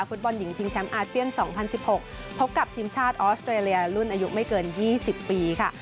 ฟุตบอลหญิงชิงแชมป์อาเซียนสองพันสิบหกพบกับทีมชาติออสเตรเลียรุ่นอายุไม่เกินยี่สิบปีค่ะ